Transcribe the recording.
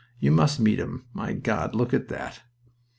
You must meet him... My God! look at that!"